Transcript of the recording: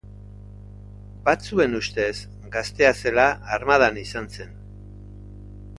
Batzuen ustez, gaztea zela, armadan izan zen.